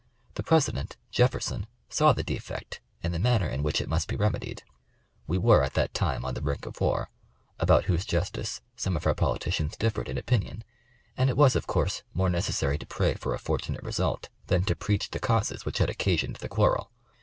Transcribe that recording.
The president, Jefferson, saw the defect and the manner in which it must be remedied. We were at that time on the brink of war, about whose justice some of our politicians differed in opinion and it was, of course, more necessary to pray for a fortunate result than to preach the causes which had occasioned the quarrel.